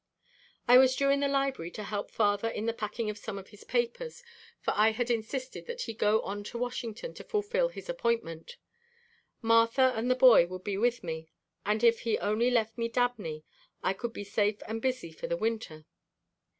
I was due in the library to help father in the packing of some of his papers, for I had insisted that he go on to Washington to fulfill his appointment. Martha and the boy would be with me and if he only left me Dabney I could be safe and busy for the winter.